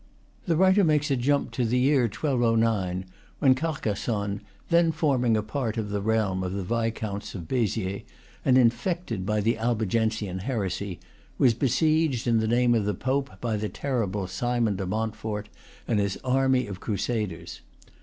The writer makes a jump to the year 1209, when Carcassonne, then forming part of the realm of the viscounts of Beziers and infected by the Albigensian heresy, was besieged, in the name of the Pope, by the terrible Simon de Montfort and his army of crusaders.